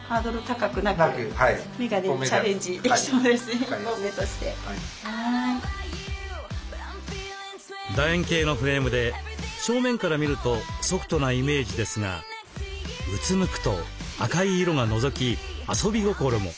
何かこの感じだったら楕円形のフレームで正面から見るとソフトなイメージですがうつむくと赤い色がのぞき遊び心も。